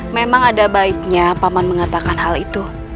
memang ada baiknya paman mengatakan hal itu